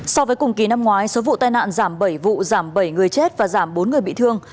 so với cùng kỳ năm ngoái số vụ tai nạn giảm bảy vụ giảm bảy người chết và giảm bốn người bị thương